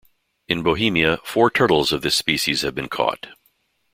In Bohemia, four turtles of this species have been caught.